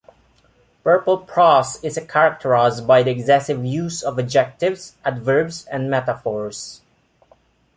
Purple prose is characterized by the excessive use of adjectives, adverbs, and metaphors.